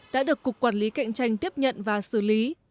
đã được cục quản lý cạnh tranh tiếp nhận và xử lý